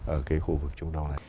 ở cái khu vực trung đông này